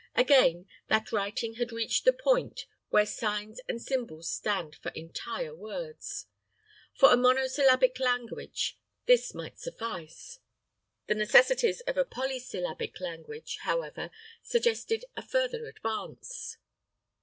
Again, that writing had reached the point where signs and symbols stand for entire words. For a monosyllabic language this might suffice. The necessities of a polysyllabic language, however, suggested a further advance.